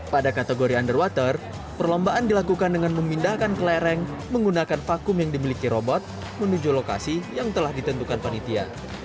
pada kategori underwater perlombaan dilakukan dengan memindahkan kelereng menggunakan vakum yang dimiliki robot menuju lokasi yang telah ditentukan panitia